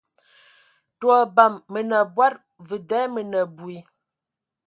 Tə o abam Mə nə abɔd, və da mə nə abui.